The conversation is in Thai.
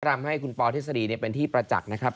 ทำให้คุณปอทฤษฎีเป็นที่ประจักษ์นะครับ